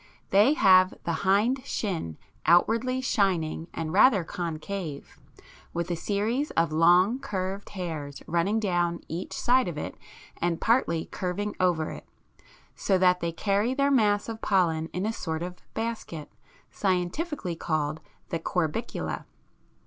They have the hind shin outwardly shining and rather concave, with a series of long curved hairs running down each side of it and partly curving over it, so that they carry their mass of pollen in a sort of basket, scientifically called the "corbicula" (fig.